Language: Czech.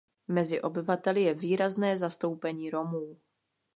Mezi obyvateli je výrazné zastoupení Romů.